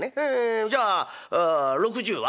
じゃあ６０は？」。